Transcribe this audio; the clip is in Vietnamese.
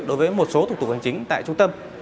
đối với một số thủ tục hành chính tại trung tâm